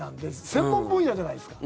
専門分野じゃないですか。